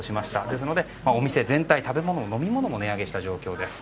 ですのでお店全体食べ物、飲み物も値上げした状況です。